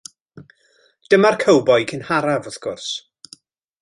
Dyma'r cowboi cynharaf, wrth gwrs.